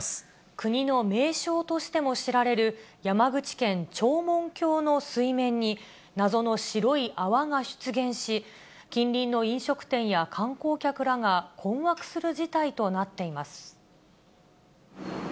国の名勝としても知られる山口県長門峡の水面に、謎の白い泡が出現し、近隣の飲食店や観光客らが困惑する事態となっています。